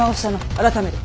改める。